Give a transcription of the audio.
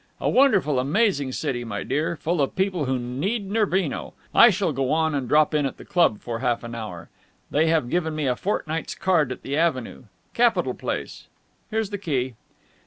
A wonderful, amazing city, my dear, full of people who need Nervino. I shall go on and drop in at the club for half an hour. They have given me a fortnight's card at the Avenue. Capital place. Here's the key."